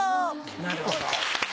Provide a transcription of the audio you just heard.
なるほど。